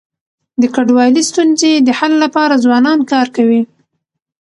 د کډوالی ستونزي د حل لپاره ځوانان کار کوي.